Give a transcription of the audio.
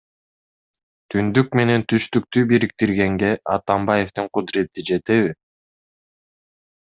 Түндүк менен түштүктү бириктиргенге Атамбаевдин кудурети жетеби?